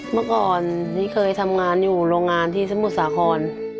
เมื่อก่อนนี้เคยทำงานอยู่โรงงานที่สมุทรสาคร